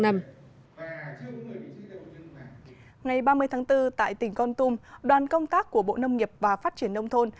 ngày ba mươi tháng bốn tại tỉnh con tum đoàn công tác của bộ nông nghiệp và phát triển nông thôn